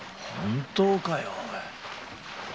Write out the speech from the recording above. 本当かよ？